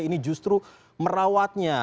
ini justru merawatnya